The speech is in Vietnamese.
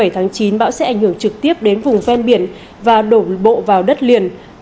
bảy tháng chín bão sẽ ảnh hưởng trực tiếp đến vùng ven biển và đổ bộ vào đất liền